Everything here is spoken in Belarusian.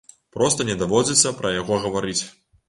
Проста не даводзіцца пра яго гаварыць.